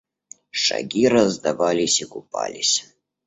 Шаги раздавались и купались.